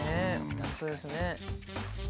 本当ですね。